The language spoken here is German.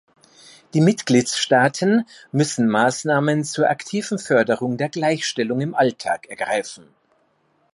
Die Mitgliedstaaten müssen Maßnahmen zur aktiven Förderung der Gleichstellung im Alltag ergreifen.